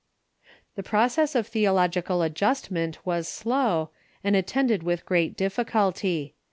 The process of theological adjustment was slow, and attend ed with great difficulty.